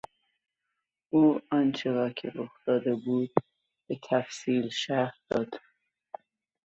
او آنچه را که رخ داده بود به تفصیل شرح داد.